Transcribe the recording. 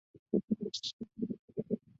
故它们会在初春时出现。